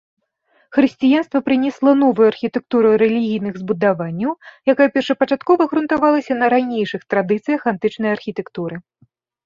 Хрысціянства прынесла новую архітэктуру рэлігійных збудаванняў, якая першапачаткова грунтавалася на ранейшых традыцыях, антычнай архітэктуры.